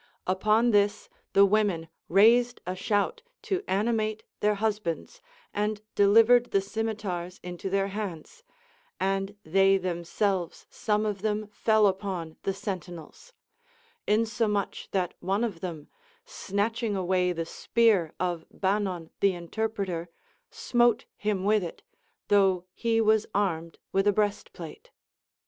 Upon this the women raised a shout to animate their husbands, and delivered the scimitars into their hands, and they themselves some of them fell upon the sentinels ; insomuch that one of them, snatching away the spear of Banon the interpreter, smote him with it, though he was armed with a breastplate.